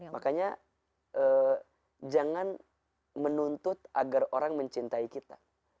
makanya jangan menuntut agar orang mencintai kita